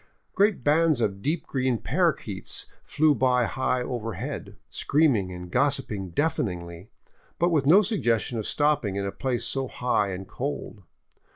Great bands of deep green parrakeets flew by high overhead, screaming and gossiping deafeningly, but with no suggestion of stopping in a place so high and cold.